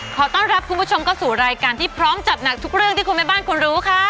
ขอต้อนรับคุณผู้ชมเข้าสู่รายการที่พร้อมจัดหนักทุกเรื่องที่คุณแม่บ้านคุณรู้ค่ะ